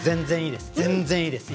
全然いいです。